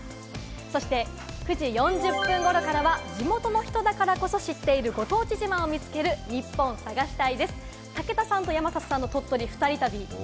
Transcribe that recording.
そして９時４０分頃からは、地元の人だからこそ知っている、ご当地自慢を見つける「ニッポン探し隊！」